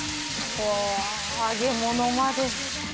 揚げ物まで。